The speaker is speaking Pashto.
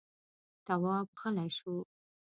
تواب غلی شو.